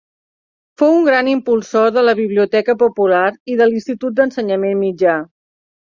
Fou un gran impulsor de la Biblioteca Popular i de l'Institut d'Ensenyament Mitjà.